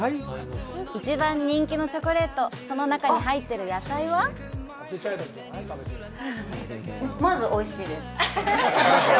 一番人気のチョコレート、その中に入っている野菜はまずおいしいです。